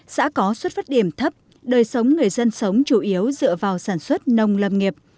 xã có xuất phát điểm thấp đời sống người dân sống chủ yếu dựa vào sản xuất nông lâm nghiệp